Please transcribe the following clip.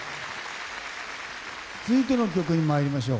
続いての曲に参りましょう。